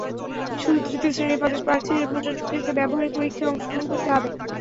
শুধু তৃতীয় শ্রেণির পদের প্রার্থীদের প্রযোজ্য ক্ষেত্রে ব্যবহারিক পরীক্ষায় অংশগ্রহণ করতে হবে।